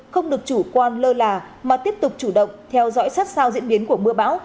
không được chủ quan lơ là mà tiếp tục chủ động theo dõi sát sao diễn biến của mưa bão